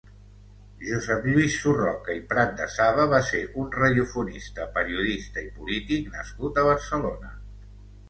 Josep Lluís Surroca i Pratdesaba va ser un radiofonista, periodista i polític nascut a Barcelona.